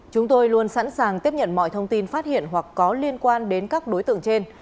chúng tôi luôn sẵn sàng tiếp nhận mọi thông tin phát hiện hoặc có liên quan đến các đối tượng trên